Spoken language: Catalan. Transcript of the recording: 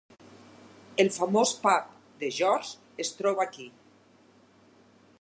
El famós pub "The George" es troba aquí.